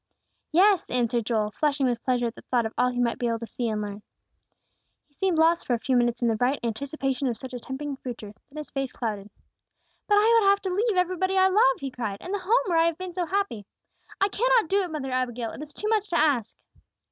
"Yes," answered Joel, flushing with pleasure at the thought of all he might be able to see and learn. He seemed lost for a few minutes in the bright anticipation of such a tempting future; then his face clouded. "But I would have to leave everybody I love," he cried, "and the home where I have been so happy! I cannot do it, mother Abigail; it is too much to ask."